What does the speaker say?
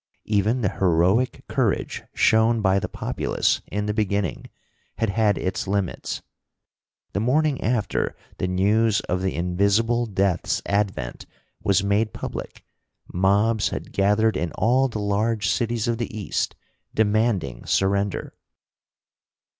Even the heroic courage shown by the populace in the beginning had had its limits. The morning after the news of the Invisible Death's advent was made public mobs had gathered in all the large cities of the East, demanding surrender.